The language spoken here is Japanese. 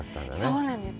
そうなんです。